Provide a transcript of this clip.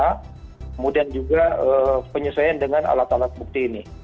kemudian juga penyesuaian dengan alat alat bukti ini